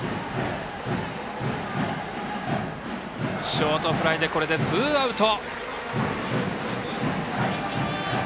ショートフライでこれでツーアウト。